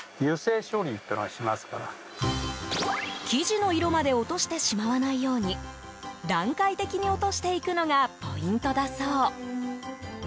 生地の色まで落としてしまわないように段階的に落としていくのがポイントだそう。